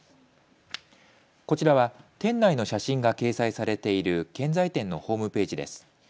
こちらは店内の写真が掲載されている建材店のホームページです。